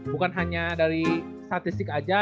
bukan hanya dari statistik saja